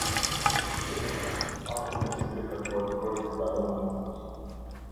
Kërkesë - akti me të cilin kërkohet mbrojtja nga dhuna në familje.